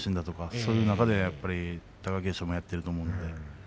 そういう中で貴景勝もやっていると思います。